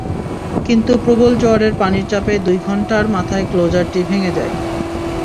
কিন্তু প্রবল জোয়ারের পানির চাপে দুই ঘণ্টার মাথায় ক্লোজারটি ভেঙে যায়।